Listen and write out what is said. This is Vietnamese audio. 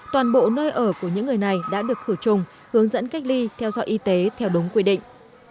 toàn bộ nơi ở của những người này đã được khử trùng hướng dẫn cách ly theo dõi y tế theo đúng quy định